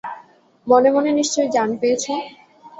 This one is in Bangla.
মনে মনে নিশ্চয় জান পেয়েছ।